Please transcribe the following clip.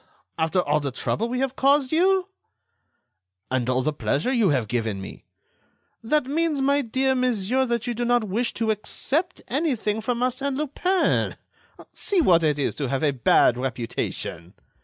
After all the trouble we have caused you!" "And all the pleasure you have given me!" "That means, my dear monsieur, that you do not wish to accept anything from Arsène Lupin. See what it is to have a bad reputation."